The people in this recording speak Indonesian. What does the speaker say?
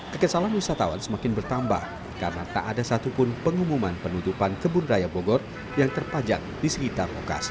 kekesalan wisatawan semakin bertambah karena tak ada satupun pengumuman penutupan kebun raya bogor yang terpajang di sekitar lokasi